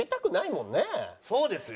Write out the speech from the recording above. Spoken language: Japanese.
そうですよ！